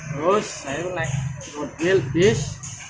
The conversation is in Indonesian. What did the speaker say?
terus saya naik mobil bis